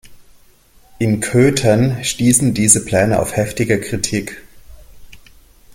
In Köthen stießen diese Pläne auf heftige Kritik.